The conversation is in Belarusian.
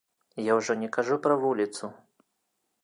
Я ўжо не кажу пра вуліцу.